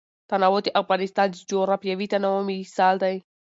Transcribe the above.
تنوع د افغانستان د جغرافیوي تنوع مثال دی.